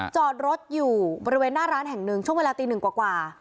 จอดรถอยู่บริเวณหน้าร้านแห่งหนึ่งช่วงเวลาตีหนึ่งกว่า